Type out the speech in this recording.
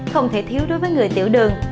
không thể thiếu đối với người tiểu đường